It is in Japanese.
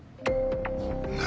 何？